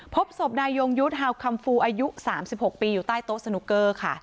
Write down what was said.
พบศพนายยงยุทธ์ฮาวคัมฟูอายุ๓๖ปีอยู่ใต้โต๊ะสนุกเกอร์ค่ะ